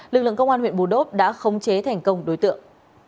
lực lượng công an huyện bù đốp đã khống chế thành công đối tượng